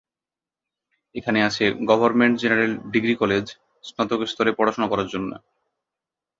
এখানে আছে government general degree college, স্নাতক স্তরে পড়াশুনো করার জন্য।